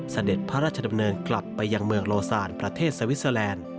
เสด็จพระราชดำเนินกลับไปยังเมืองโลซานประเทศสวิสเตอร์แลนด์